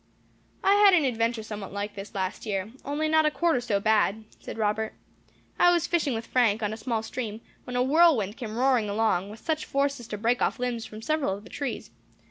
"I had an adventure somewhat like this last year, only not a quarter so bad," said Robert. "I was fishing with Frank, on a small stream, when a whirlwind came roaring along, with such force as to break off limbs from several of the trees.